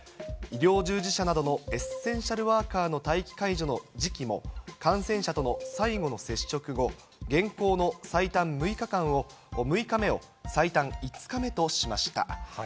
医療従事者などのエッセンシャルワーカーの待機解除の時期も、感染者との最後の接触後、現行の最短６日目を最短５日目としました。